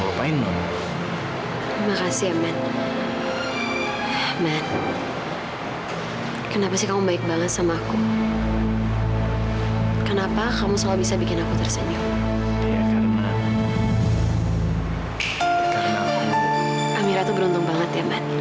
aduh ini kenapa kamu sakit sakit